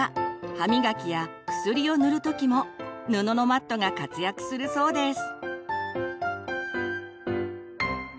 歯磨きや薬を塗る時も布のマットが活躍するそうです。